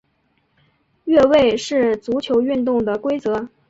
越位是足球运动的规则。